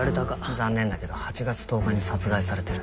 残念だけど８月１０日に殺害されてる。